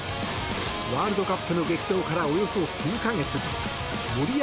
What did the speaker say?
ワールドカップの激闘からおよそ９か月森保